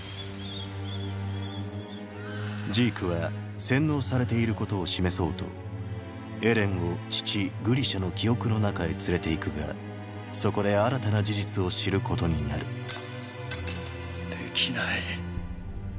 ジークは洗脳されていることを示そうとエレンを父グリシャの記憶の中へ連れていくがそこで新たな事実を知ることになるできない。